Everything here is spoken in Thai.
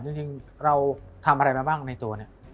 จริงเราทำอะไรมาบ้างในตัวเนี่ย